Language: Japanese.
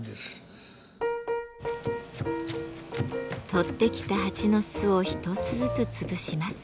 採ってきた蜂の巣を一つずつ潰します。